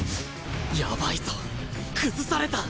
やばいぞ崩された！